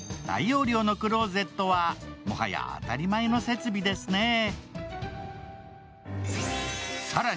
大容量のクローゼットはもはや当たり前の設備ですね。